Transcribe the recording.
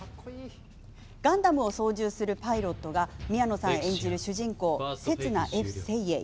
ガンダムを操縦するパイロットが宮野さん演じる主人公刹那・Ｆ・セイエイ。